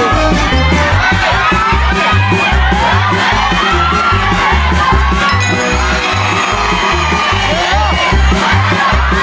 ได้ริมทรมานที่นี่ครับ